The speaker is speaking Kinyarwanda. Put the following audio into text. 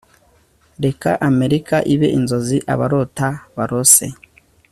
reka amerika ibe inzozi abarota barose-